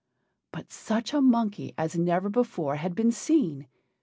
But such a monkey as never before had been seen.